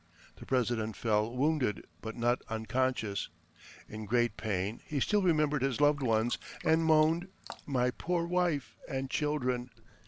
The President fell wounded, but not unconscious. In great pain, he still remembered his loved ones, and moaned, "My poor wife and children."